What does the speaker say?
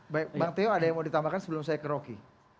bang teo ada yang mau ditambahkan sebelum saya keroki